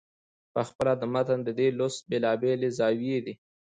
پخپله د متن د دې لوست بېلابېلې زاويې دي.